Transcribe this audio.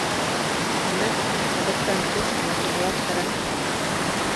Һиңә ғәҙәттән тыш ваҡиғалар кәрәкмәй!